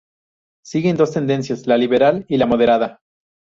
Sigue dos tendencias: la liberal y la moderada.